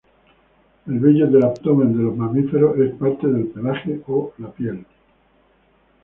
El vello del abdomen de los mamíferos es parte del pelaje o la piel.